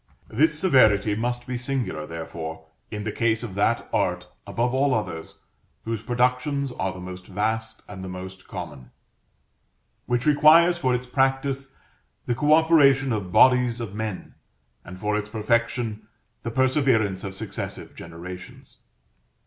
This severity must be singular, therefore, in the case of that art, above all others, whose productions are the most vast and the most common; which requires for its practice the co operation of bodies of men, and for its perfection the perseverance of successive generations.